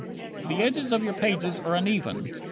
The edges of your pages are uneven.